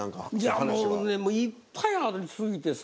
あのねいっぱいありすぎてさ。